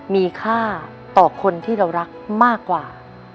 มีค่าต่อคนที่เรารักมากกว่า